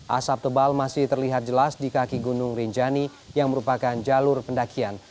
asap tebal masih terlihat jelas di kaki gunung rinjani yang merupakan jalur pendakian